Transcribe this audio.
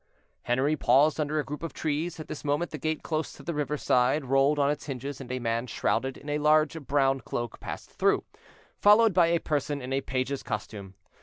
Henri paused under a group of trees: at this moment the gate close to the river side rolled on its hinges, and a man shrouded in a large brown cloak passed through, followed by a person in a page's costume.